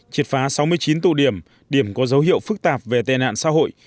triệt phá sáu mươi chín tụ điểm điểm có dấu hiệu phức tạp về tên nạn xã hội